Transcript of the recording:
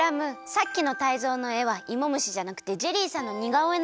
さっきのタイゾウのえはいもむしじゃなくてジェリーさんのにがおえ